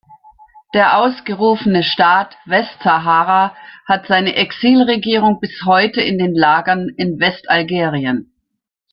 Der ausgerufene Staat Westsahara hat seine Exilregierung bis heute in den Lagern in Westalgerien.